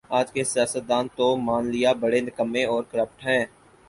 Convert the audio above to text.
آج کے سیاستدان تو مان لیا بڑے نکمّے اورکرپٹ ہیں